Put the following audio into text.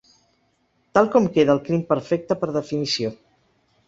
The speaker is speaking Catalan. Tal com queda el crim perfecte per definició.